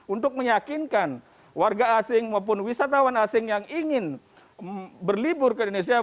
untuk meyakinkan warga asing maupun wisatawan asing yang ingin berlibur ke indonesia